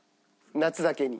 夏だけに。